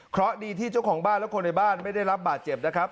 เพราะดีที่เจ้าของบ้านและคนในบ้านไม่ได้รับบาดเจ็บนะครับ